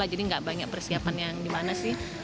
jadi tidak banyak persiapan yang gimana sih